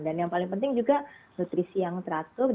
dan yang paling penting juga nutrisi yang teratur